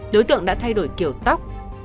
đối tượng đã thay đổi kiểu tóc